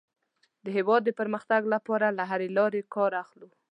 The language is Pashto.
د هېواد د پرمختګ لپاره له هرې لارې کار اخلو.